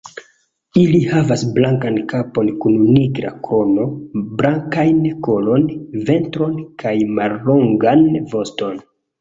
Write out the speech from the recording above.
Ili havas blankan kapon kun nigra krono, blankajn kolon, ventron kaj mallongan voston.